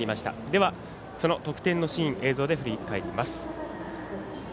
ではその得点のシーン映像で振り返ります。